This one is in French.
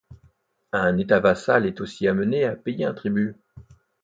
Un état vassal est aussi amené à payer un tribut.